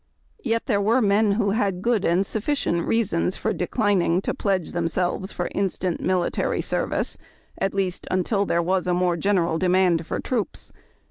Yet there were men who had good and sufficient reasons for declining to pledge themselves for instant military service, at least until there was a more general demand for troops.